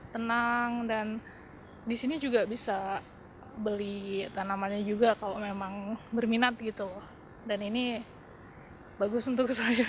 tenang dan di sini juga bisa beli tanamannya juga kalau memang berminat gitu